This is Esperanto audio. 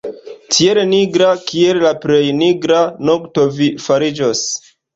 Tiel nigra, kiel la plej nigra nokto vi fariĝos!".